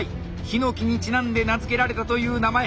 ヒノキにちなんで名付けられたという名前